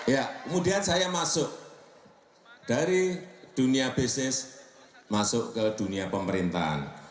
ya kemudian saya masuk dari dunia bisnis masuk ke dunia pemerintahan